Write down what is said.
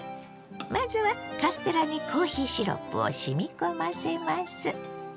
まずはカステラにコーヒーシロップをしみ込ませます。